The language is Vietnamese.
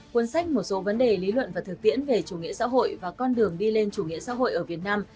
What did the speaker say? cuốn sách một số vấn đề lý luận và thực tiễn về chủ nghĩa xã hội và con đường đi lên chủ nghĩa xã hội ở việt nam